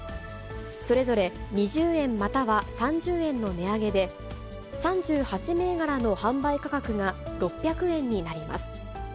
それぞれ、２０円または３０円の値上げで、３８銘柄の販売価格が、６００円になります。